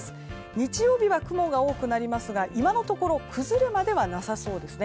日曜日は雲が多くなりますが今のところ崩れまではなさそうですね。